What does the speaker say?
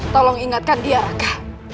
tolong ingatkan dia raka